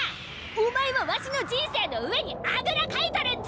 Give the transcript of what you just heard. お前はわしの人生の上にあぐらかいとるんじゃ！